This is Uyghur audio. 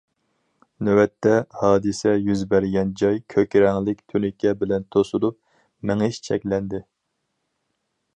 نۆۋەتتە، ھادىسە يۈز بەرگەن جاي كۆك رەڭلىك تۈنىكە بىلەن توسۇلۇپ، مېڭىش چەكلەندى.